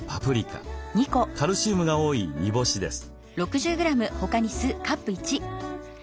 カルシウムが多い煮干しです。